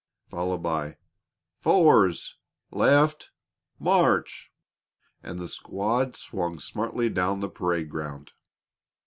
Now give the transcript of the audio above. followed by, "Fours left march!" and the squad swung smartly down the parade ground.